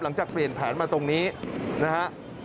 หลังจากเปลี่ยนแผนมาตรงนี้นะฮะ